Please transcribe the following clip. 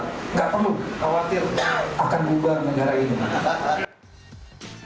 tidak perlu khawatirnya akan bubar negara ini